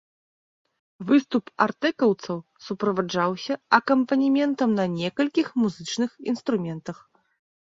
Выступ артэкаўцаў суправаджаўся акампанементам на некалькіх музычных інструментах.